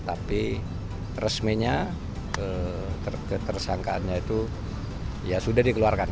tapi resminya tersangkaannya itu sudah dikeluarkan